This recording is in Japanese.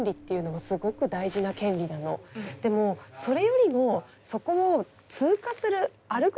でもそれよりもそこを通過する歩く